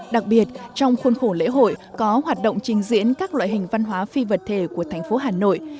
đặc biệt trong khuôn khổ lễ hội có hoạt động trình diễn các loại hình văn hóa phi vật thể của thành phố hà nội